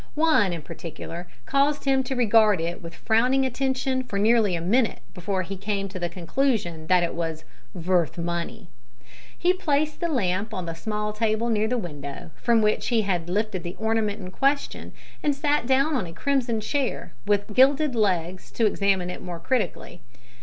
One in particular caused him to regard it with frowning attention for nearly a minute before he came to the conclusion that it was "vurth munny." He placed the lamp on the small table near the window, from which he had lifted the ornament in question, and sat down on a crimson chair with gilded legs to examine it more critically.